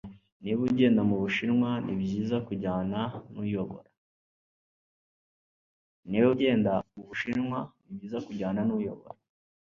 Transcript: Niba ugenda mubushinwa, nibyiza kujyana nuyobora.